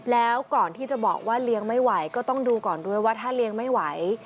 แล้วก่อนที่จะบอกว่าเลี้ยงไม่ไหวก็ต้องดูก่อนด้วยว่าถ้าเลี้ยงไม่ไหว